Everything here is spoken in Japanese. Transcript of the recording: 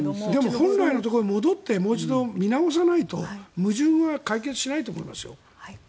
本来のところに戻ってもう一度、見直さないと矛盾は解決しないと思いますよ。